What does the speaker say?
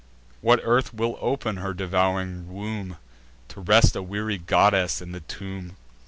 What earth will open her devouring womb, To rest a weary goddess in the tomb!"